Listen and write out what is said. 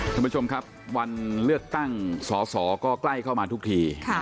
ท่านผู้ชมครับวันเลือกตั้งสอสอก็ใกล้เข้ามาทุกที